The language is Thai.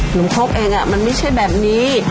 หนุ่มโค๊กเองมันไม่ใช่แบบนี้